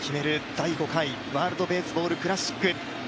第５回ワールドベースボールクラシック。